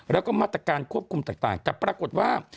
แล้วก็มาตรการควบคุมต่างแต่ปรากฏว่า